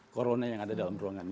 corona yang ada dalam ruangan